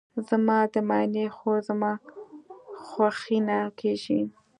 زما د ماینې خور زما خوښینه کیږي.